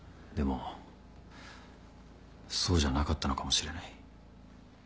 でもそうじゃなかったのかもしれない。